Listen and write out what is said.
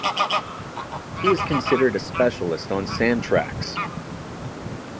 He is considered a specialist on sand tracks.